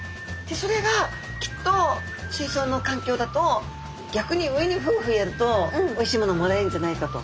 それがきっと水槽のかんきょうだと逆に上にフーフーやるとおいしいものもらえるんじゃないかと。